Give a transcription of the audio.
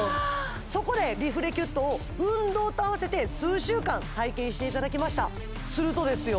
そこでリフレキュットを運動と合わせて数週間体験していただきましたするとですよ